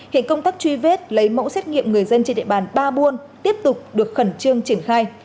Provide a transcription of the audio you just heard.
hiện công tác truy vết lấy mẫu xét nghiệm người dân trên địa bàn ba buôn tiếp tục được khẩn trương triển khai